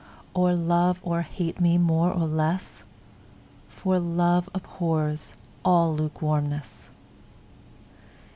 Or love or hate me more or less, 5 For love abhors all lukewarmness.